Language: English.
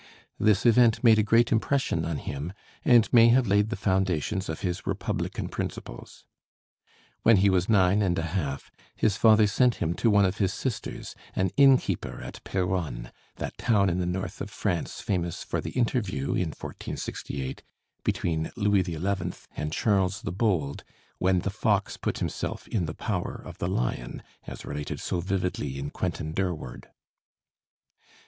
This event made a great impression on him, and may have laid the foundations of his republican principles. When he was nine and a half his father sent him to one of his sisters, an innkeeper at Péronne, that town in the north of France famous for the interview in 1468 between Louis XI. and Charles the Bold, when the fox put himself in the power of the lion, as related so vividly in 'Quentin Durward.'